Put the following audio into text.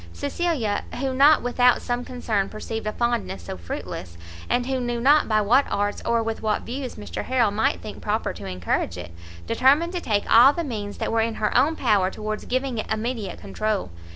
Cecilia, who not without some concern perceived a fondness so fruitless, and who knew not by what arts or with what views Mr Harrel might think proper to encourage it, determined to take all the means that were in her own power towards giving it immediate control.